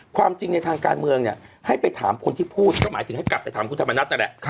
ความจริงในทางการเมืองเนี่ยให้ไปถามคนที่พูดก็หมายถึงให้กลับไปถามคุณธรรมนัฐนั่นแหละ